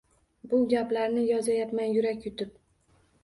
Bu gaplarni yozayapman yurak yutib.